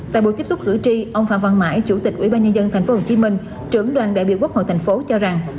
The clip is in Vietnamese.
tại cuộc tiếp xúc cử tri ông phạm văn mãi chủ tịch ubnd tp hcm trưởng đoàn đại biểu quốc hội tp hcm cho rằng